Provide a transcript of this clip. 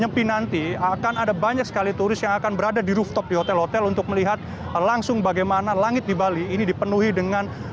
nyepi nanti akan ada banyak sekali turis yang akan berada di rooftop di hotel hotel untuk melihat langsung bagaimana langit di bali ini dipenuhi dengan